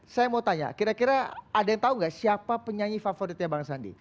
saya mau tanya kira kira ada yang tahu nggak siapa penyanyi favoritnya bang sandi